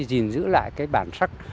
dình giữ lại cái bản sắc